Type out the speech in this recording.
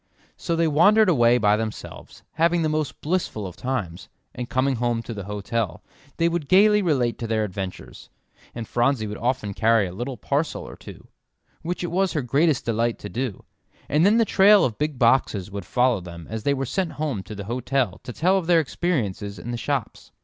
So they wandered away by themselves, having the most blissful of times, and coming home to the hotel, they would gaily relate their adventures; and Phronsie would often carry a little parcel or two, which it was her greatest delight to do; and then the trail of big boxes would follow them as they were sent home to the hotel to tell of their experiences in the shops.